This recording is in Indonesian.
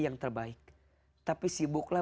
yang terbaik tapi sibuklah